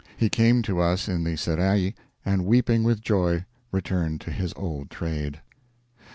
He came to us in the serai and weeping with joy returned to his old trade."